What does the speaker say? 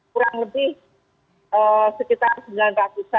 kurang lebih sekitar sembilan ratus an